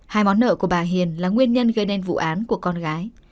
hai món nợ của bà hiền là nguyên nhân gây nên vụ án của con gái